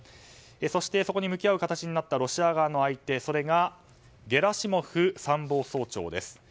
そしてそこに向き合う形になったロシア側の相手それがゲラシモフ参謀総長です。